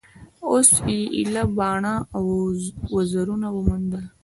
اوس یې ایله باڼه او وزرونه وموندل